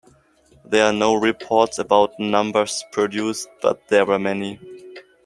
There are no reports about numbers produced, but there were many.